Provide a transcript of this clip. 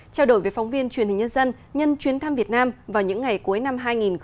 trao đổi với phóng viên truyền hình nhân dân nhân chuyến thăm việt nam vào những ngày cuối năm hai nghìn một mươi chín